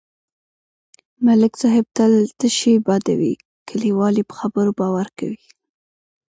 ملک صاحب تل تشې بادوي، کلیوال یې په خبرو باور کوي.